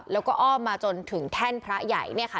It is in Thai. แล้วก็อ้อมมาจนถึงแท่นพระใหญ่เนี่ยค่ะ